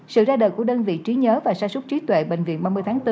sự ra đời của đơn vị trí nhớ và sản xuất trí tuệ bệnh viện ba mươi tháng bốn